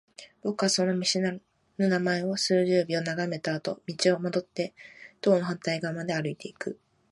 僕はその見知らぬ名前を数十秒眺めたあと、道を戻って棟の反対側まで歩いていく。